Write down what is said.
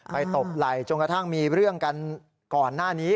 ตบไหล่จนกระทั่งมีเรื่องกันก่อนหน้านี้